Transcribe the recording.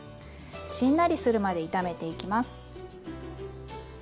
しんなりするまで炒めていきます。